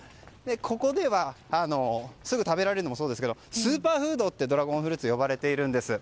ここでは、すぐ食べられるのもそうですけどスーパーフードとドラゴンフルーツは呼ばれています。